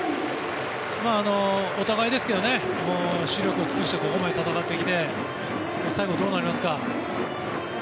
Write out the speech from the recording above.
お互いですけどね死力を尽くしてここまで戦ってきて最後、どうなりますかね。